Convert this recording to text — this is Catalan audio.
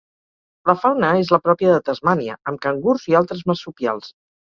La fauna és la pròpia de Tasmània amb cangurs i altres marsupials.